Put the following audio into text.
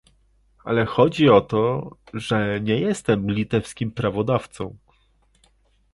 Ale chodzi o to, że nie jestem litewskim prawodawcą